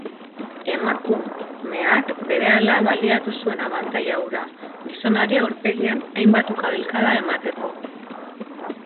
Emaku-meak berehala baliatu zuen abantaila hura, gizonari aurpegian hainbat ukabilkada emateko.